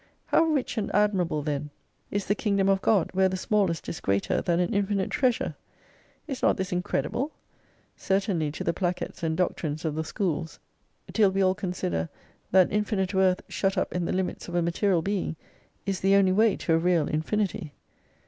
How rich and admirable then is the 172 Kingdom of God, where the smallest is greater than an infinite treasure ! Is not this incredible ? Certainly to the placets and doctrines of the schools : Till we all consider, That infinite worth shut up in the hmits of a material being, is the only way to a real infinity.